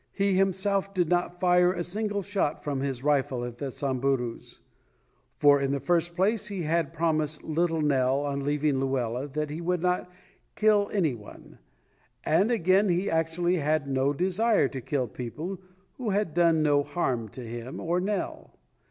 He himself did not fire a single shot from his rifle at the Samburus, for in the first place he had promised little Nell on leaving Luela that he would not kill any one, and again he actually had no desire to kill people who had done no harm to him or Nell.